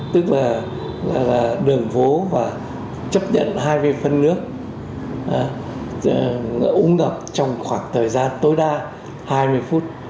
tức là đường phố và chấp nhận hai cái phân nước uống ngập trong khoảng thời gian tối đa hai mươi phút